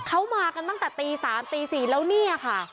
เขามาตั้งแต่ตี๓๔แล้วนี่ค่ะ